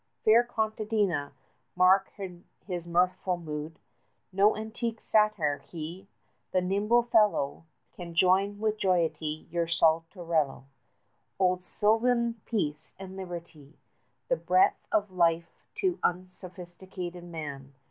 Fair contadina, mark his mirthful mood, No antique satyr he. The nimble fellow Can join with jollity your salterello. Old sylvan peace and liberty! The breath 65 Of life to unsophisticated man.